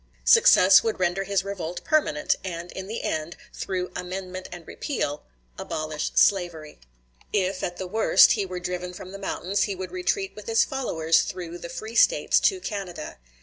Success would render his revolt permanent, and in the end, through "amendment and repeal," abolish slavery. If, at the worst, he were driven from the mountains he would retreat with his followers through the free States to Canada.